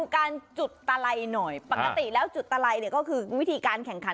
การจุดตะไลหน่อยปกติแล้วจุดตะไลเนี่ยก็คือวิธีการแข่งขัน